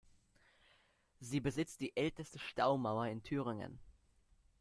Sie besitzt die älteste Staumauer in Thüringen.